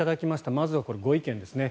まずはこれ、ご意見ですね。